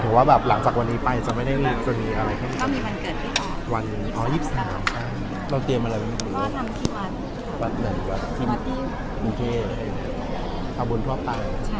ขอบคุณมากค่ะ